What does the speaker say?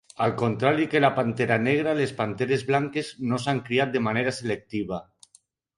Al contrari que la pantera negra les panteres blanques no s'han criat de manera selectiva.